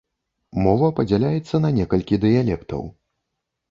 Мова падзяляецца на некалькі дыялектаў.